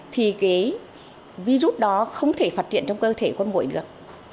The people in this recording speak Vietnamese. thì cái virus đó không thể phát triển trong cơ thể con mũi được